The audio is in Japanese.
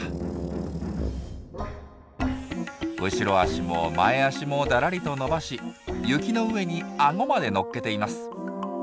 後ろ足も前足もだらりと伸ばし雪の上にアゴまで乗っけています。